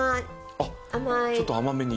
あっちょっと甘めに。